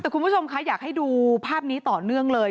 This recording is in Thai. แต่คุณผู้ชมคะอยากให้ดูภาพนี้ต่อเนื่องเลย